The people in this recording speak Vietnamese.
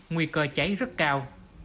nguy cơ cháy rất cao